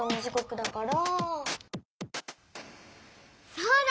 そうだ！